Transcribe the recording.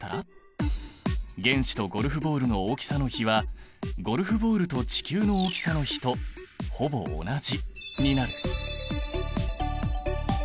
原子とゴルフボールの大きさの比はゴルフボールと地球の大きさの比とほぼ同じになる。